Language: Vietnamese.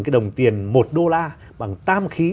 cái đồng tiền một đô la bằng tam khí